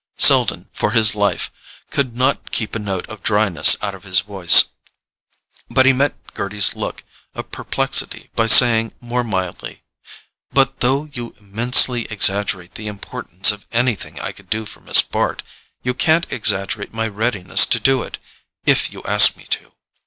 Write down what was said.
Selden, for his life, could not keep a note of dryness out of his voice; but he met Gerty's look of perplexity by saying more mildly: "But, though you immensely exaggerate the importance of anything I could do for Miss Bart, you can't exaggerate my readiness to do it—if you ask me to."